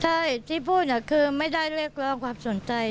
ใช่ที่พูดคือไม่ได้เรียกร้องความสนใจ